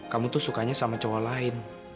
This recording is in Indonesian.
kamu tuh sukanya sama cowok lain